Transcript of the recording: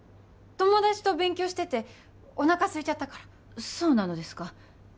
友達と勉強してておなかすいちゃったからそうなのですか